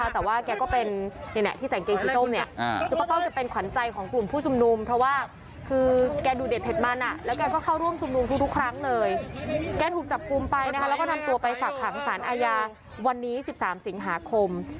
ที่ประกันตัวไปฝากขังศาลอาญาวันนี้๑๓สิงหาคม